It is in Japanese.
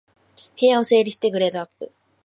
部屋を整理してグレードアップ